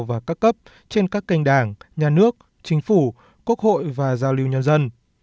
và các cấp trên các kênh đảng nhà nước chính phủ quốc hội và giao lưu nhân dân